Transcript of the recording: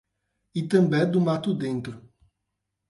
Itambé do Mato Dentro